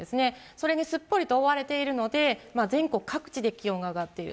それにすっぽりと覆われているので、全国各地で気温が上がっている。